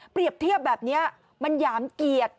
เทียบแบบนี้มันหยามเกียรติ